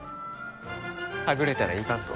はぐれたらいかんぞ。